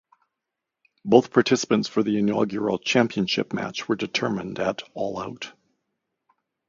Both participants for the inaugural championship match were determined at All Out.